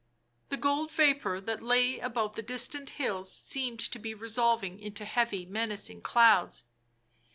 The gold vapour that lay about the distant hills seemed to be resolving into heavy, menacing clouds.